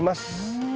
うん。